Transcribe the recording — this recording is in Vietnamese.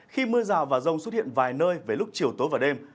khi mưa rào và rông xuất hiện vài nơi về lúc chiều tối và đêm